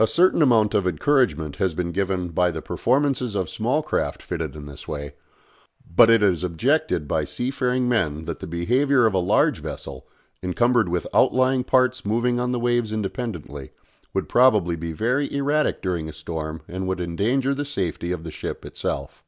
A certain amount of encouragement has been given by the performances of small craft fitted in this way; but it is objected by sea faring men that the behaviour of a large vessel, encumbered with outlying parts moving on the waves independently, would probably be very erratic during a storm and would endanger the safety of the ship itself.